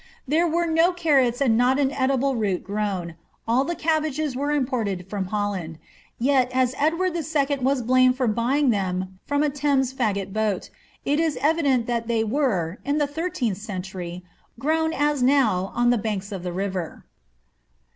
There irere no carrots and not an edible root grown, all the cabbages were im ported from Holland ; yet, as Edward II. was blamed for buying them from a Thames fiiggot boat, it is evident that they were, in the thirteenth ceatnry, grown, as now, on the banks of the river.